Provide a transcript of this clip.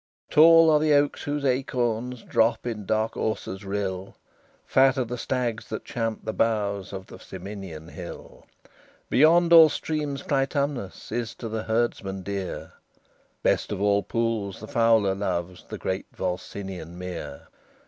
VI Tall are the oaks whose acorns Drop in dark Auser's rill; Fat are the stags that champ the boughs Of the Ciminian hill; Beyond all streams Clitumnus Is to the herdsman dear; Best of all pools the fowler loves The great Volsinian mere.